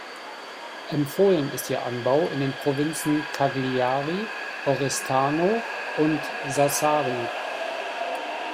Empfohlen ist ihr Anbau in den Provinzen Cagliari, Oristano und Sassari.